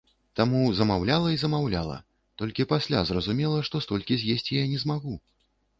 Таму замаўляла і замаўляла, толькі пасля зразумела, што столькі з'есці я не змагу.